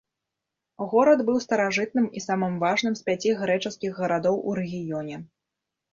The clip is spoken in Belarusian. Горад быў старажытным і самым важным з пяці грэчаскіх гарадоў у рэгіёне.